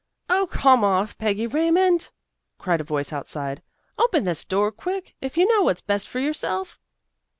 "Oh, come off, Peggy Raymond," cried a voice outside. "Open this door quick, if you know what's best for yourself."